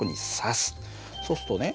そうするとね